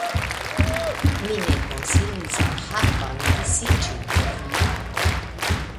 Mi ne konsilis al Hakon disiĝi de vi!